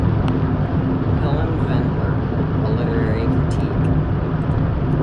Helen Vendler, a literary critic.